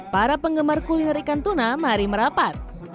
para penggemar kuliner ikan tuna mari merapat